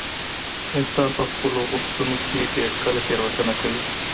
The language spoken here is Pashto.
انسان په خپلو غوښتنو کي ډیر کله تېروتنه کوي.